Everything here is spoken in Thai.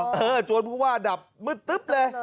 โอห์หัวถูกปร๊าหรอถูกจะดับมึดตึดเล่